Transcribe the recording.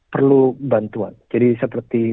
perlu bantuan jadi seperti